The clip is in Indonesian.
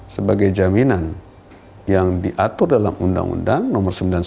sebagai jaminan yang diatur dalam undang undang no sembilan ratus sembilan puluh delapan